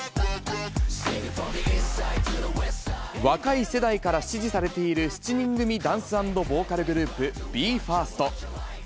若い世代から支持されている７人組ダンス＆ボーカルグループ、ＢＥ：ＦＩＲＳＴ。